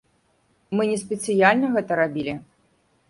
Мы не спецыяльна гэта рабілі.